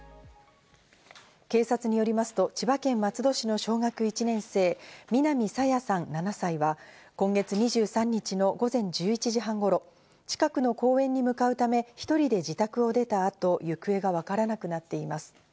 警察によりますと、千葉県松戸市の小学１年生・南朝芽さん７歳は、今月２３日の午前１１時半頃、近くの公園に向かうため、１人で自宅を出たあと行方がわからなくなっています。